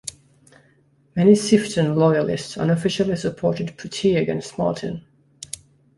Many Sifton loyalists unofficially supported Puttee against Martin.